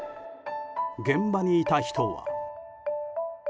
現場にいた人は。